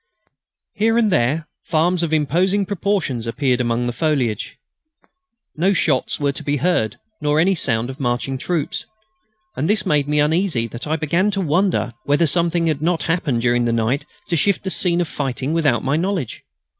Here and there farms of imposing proportions appeared among the foliage. No shots were to be heard, nor any sound of marching troops. And this made me so uneasy that I began to wonder whether something had not happened during the night to shift the scene of the fighting without my knowledge.